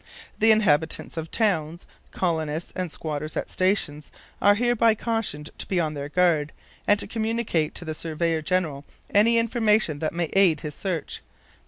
The inhabitants of towns, colonists and squatters at stations, are hereby cautioned to be on their guard, and to communicate to the Surveyor General any information that may aid his search.